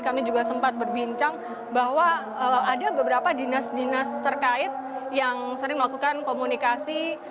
kami juga sempat berbincang bahwa ada beberapa dinas dinas terkait yang sering melakukan komunikasi